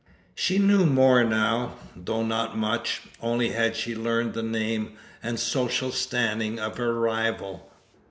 She knew more now, though not much. Only had she learnt the name and social standing of her rival.